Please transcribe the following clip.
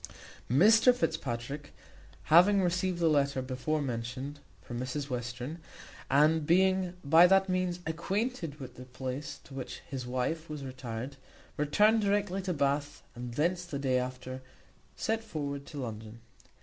Mr Fitzpatrick having received the letter before mentioned from Mrs Western, and being by that means acquainted with the place to which his wife was retired, returned directly to Bath, and thence the day after set forward to London.